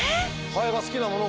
ハエが好きなものが。